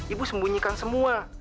ibu sembunyikan semua